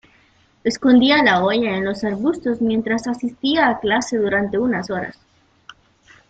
Escondía la olla en los arbustos mientras asistía a clase durante unas horas.